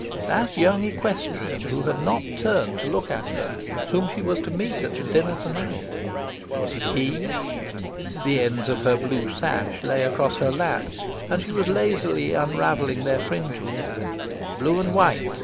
That young equestrian who had not turned to look at her; whom she was to meet at dinner to night... was it he? The ends of her blue sash lay across her lap, and she was lazily unravelling their fringes. "Blue and white!"